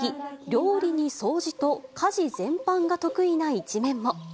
料理に掃除と、家事全般が得意な一面も。